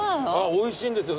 おいしいんですよ。